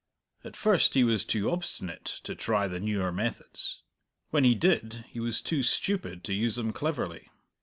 At first he was too obstinate to try the newer methods; when he did, he was too stupid to use them cleverly.